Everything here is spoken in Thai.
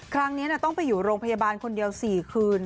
ครั้งนี้ต้องไปอยู่โรงพยาบาลคนเดียว๔คืน